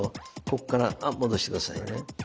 ここからあ戻してくださいね。